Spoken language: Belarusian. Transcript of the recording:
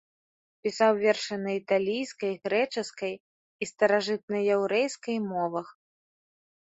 Пісаў вершы на італьянскай, грэчаскай і старажытнаяўрэйскай мовах.